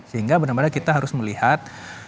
sehingga benar benar kita harus melihat